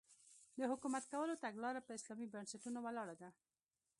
د حکومت کولو تګلاره په اسلامي بنسټونو ولاړه ده.